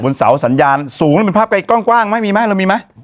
บนเสาร์สัญญาณสูงน้วมีภาพไกลกว้างไหมมีไหม